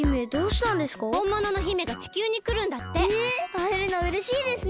あえるのうれしいですね。